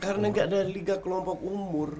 karena gak ada liga kelompok umur